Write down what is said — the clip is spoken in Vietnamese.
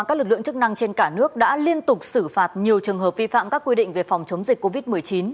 các lực lượng chức năng trên cả nước đã liên tục xử phạt nhiều trường hợp vi phạm các quy định về phòng chống dịch covid một mươi chín